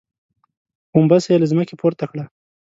غومبسه يې له ځمکې پورته کړه.